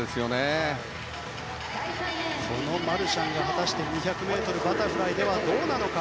このマルシャンが果たして２００ｍバタフライではどうなのか。